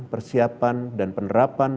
persiapan dan penerapan